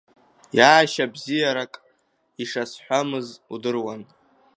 Иаашьа бзиарак ишазҳәамыз удыруан.